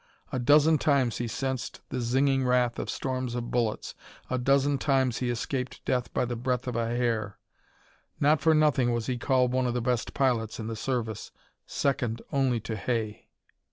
A dozen times he sensed the zinging wrath of storms of bullets, a dozen times he escaped death by the breadth of a hair. Not for nothing was he called one of the best pilots in the service, second only to Hay.